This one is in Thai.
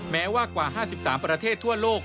แม้ว่ากว่า๕๓ประเทศทั่วโลก